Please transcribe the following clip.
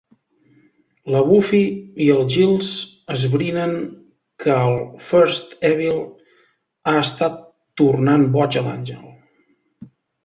La Buffy i el Giles esbrinen que el First Evil ha estat tornant boig l'Angel.